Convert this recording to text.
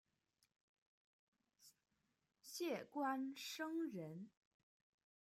谢冠生人。